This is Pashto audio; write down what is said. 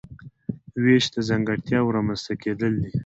وېش د ځانګړتیاوو رامنځته کیدل دي.